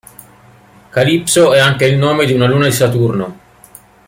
Calypso è anche il nome di una luna di Saturno.